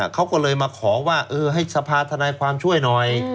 เขาก็เลยมาขอว่าให้สภาธนายความช่วยหน่อย